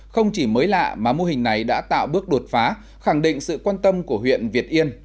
không chỉ mới lạ mà mô hình này đã tạo bước đột phá khẳng định sự quan tâm của huyện việt yên